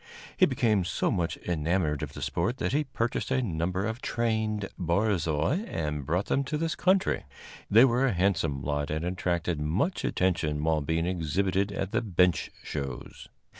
He became so much enamored of the sport that he purchased a number of trained barzois and brought them to this country. They were a handsome lot and attracted much attention while being exhibited at the bench shows.